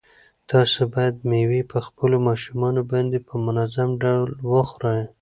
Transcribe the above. تاسو باید مېوې په خپلو ماشومانو باندې په منظم ډول وخورئ.